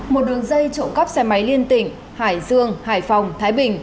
một đường dây trộm cắp xe máy liên tỉnh hải dương hải phòng thái bình